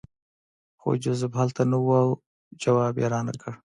خو جوزف هلته نه و او ځواب یې رانکړ